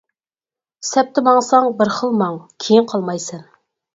سەپتە ماڭساڭ بىر خىل ماڭ، كىيىن قالمايسەن.